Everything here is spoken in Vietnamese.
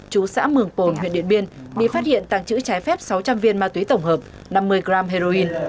chú xã mường pồn huyện điện biên bị phát hiện tăng trữ trái phép sáu trăm linh viên ma túy tổng hợp năm mươi gram heroin